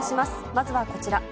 まずはこちら。